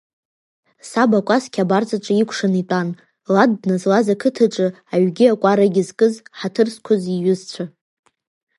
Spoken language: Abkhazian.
Саб акәасқьа абарҵаҿы икәшаны итәан, Лад дназлаз ақыҭаҿы аҩгьы-акәаргьы зкыз, ҳаҭыр зқәыз иҩызцәа.